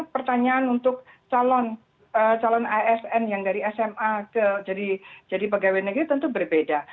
pertanyaan untuk calon asn yang dari sma jadi pegawai negeri tentu berbeda